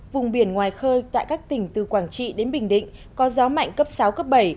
vùng biển ngoài khơi tại các tỉnh từ quảng trị đến bình định có gió mạnh cấp sáu cấp bảy